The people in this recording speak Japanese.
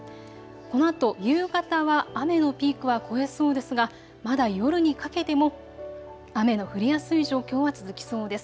このあと夕方は雨のピークは越えそうですがまだ夜にかけても雨の降りやすい状況は続きそうです。